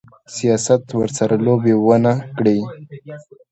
سیاست ورسره لوبې ونه کړي.